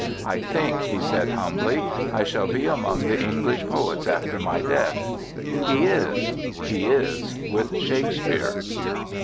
" I think," he said humbly, " I shall be among the Enghsh poets after my death." He is; he is with Shakespeare.'